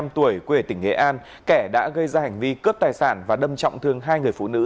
một mươi tuổi quê tỉnh nghệ an kẻ đã gây ra hành vi cướp tài sản và đâm trọng thương hai người phụ nữ